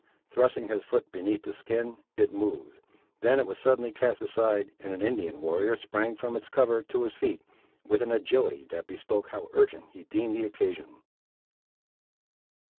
Thrusting his foot beneath the skin, it moved. Then it was suddenly cast aside, and an Indian warrior sprang from its cover, to his feet, with an agility, that bespoke how urgent he deemed the occasion.